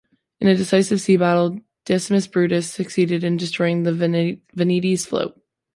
In a decisive sea battle, Decimus Brutus succeeded in destroying the Veneti's fleet.